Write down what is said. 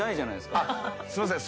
すいません。